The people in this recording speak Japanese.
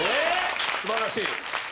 素晴らしい。